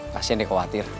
kasian dia khawatir